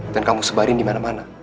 dan kamu sebarin dimana mana